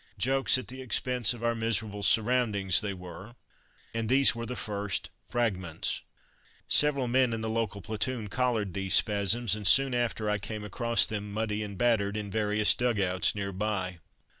Jokes at the expense of our miserable surroundings they were, and these were the first "Fragments." Several men in the local platoon collared these spasms, and soon after I came across them, muddy and battered, in various dug outs near by.